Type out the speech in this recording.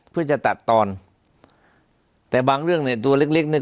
เพื่อจะตัดตอนแต่บางเรื่องเนี่ยตัวเล็กเล็กเนี่ย